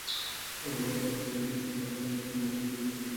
আমরা ভাগ্যবানরা তাদের হিসাবের পাওনাটুকু অন্তত মিটিয়ে দেওয়ার দাবি তুলতে পারি।